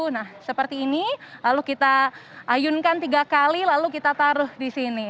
nah seperti ini lalu kita ayunkan tiga kali lalu kita taruh di sini